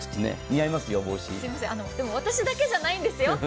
でも私だけじゃないんですよ。